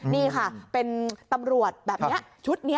นี่ค่ะเป็นตำรวจแบบนี้ชุดนี้